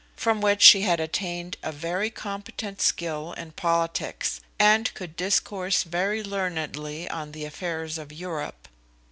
From which she had attained a very competent skill in politics, and could discourse very learnedly on the affairs of Europe.